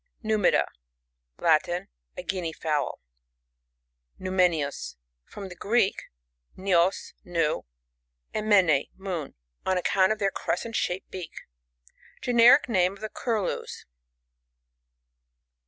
NuMiDA, (Nnmidica. )— Latin. A Guinea fowl. NuMENiu«. — From the Gieek, neos^ new, and menf^ moon, on account of their crescent shaped beak. Generic namb of the Curlews.